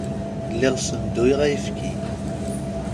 Lliɣ ssenduyeɣ ayefki.